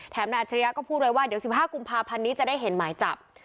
แถมนาธิริัตก็พูดเลยว่าเดี๋ยว๑๕กุมภาพันนี้จะได้เห็นหมายจับ